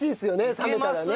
冷めたらね。